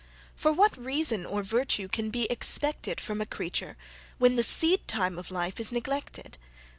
For what reason or virtue can be expected from a creature when the seed time of life is neglected?